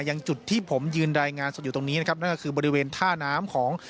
ยังจุดที่ผมยืนรายงานสดอยู่ตรงนี้นะครับนั่นก็คือบริเวณท่าน้ำของ